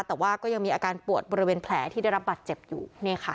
แต่ว่าก็ยังมีอาการปวดบริเวณแผลที่ได้รับบัตรเจ็บอยู่